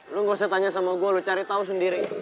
lu gak usah tanya sama gue lu cari tau sendiri